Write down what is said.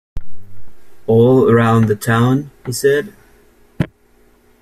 ‘All round the town?’ he said.